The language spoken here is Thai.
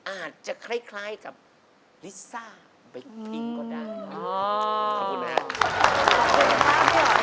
อาจจะคล้ายกับลิซ่าแบ๊คพิ้งก็ได้